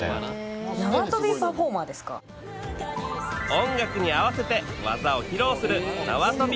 音楽に合わせて技を披露するなわとび